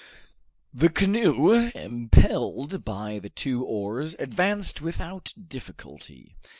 The canoe, impelled by the two oars, advanced without difficulty.